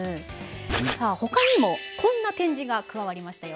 さあほかにもこんな展示が加わりましたよ。